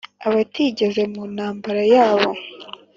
Abatigeze mu ntambara yabo